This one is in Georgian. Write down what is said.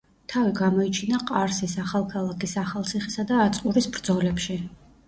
თავი გამოიჩინა ყარსის, ახალქალაქის, ახალციხისა და აწყურის ბრძოლებში.